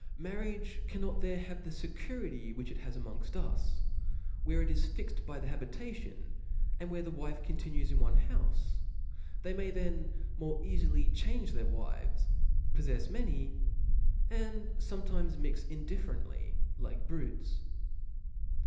Marriage cannot there have the fecuriry which it has arnongft: us, where it is fixed by the habitation, and where the wife continues in one houfe •, they may then more eafily change their wives, poflfefs many, and fometimes mix indifferently like brutes.